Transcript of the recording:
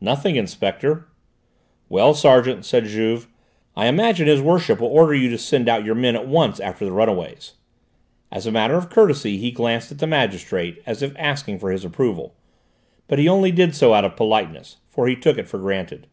"Nothing, Inspector." "Well, sergeant," said Juve. "I imagine his worship will order you to send out your men at once after the runaways." As a matter of courtesy he glanced at the magistrate as if asking for his approval, but he only did so out of politeness, for he took it for granted.